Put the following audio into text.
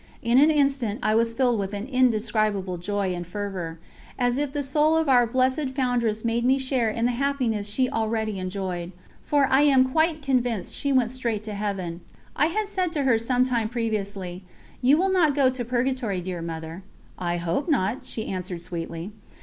In an instant I was filled with an indescribable joy and fervour, as if the soul of our blessed Foundress made me share in the happiness she already enjoyed for I am quite convinced she went straight to Heaven. I had said to her some time previously: "You will not go to Purgatory, dear Mother." "I hope not," she answered sweetly.